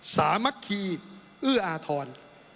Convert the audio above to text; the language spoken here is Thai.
สามัคคีเอื้ออาทร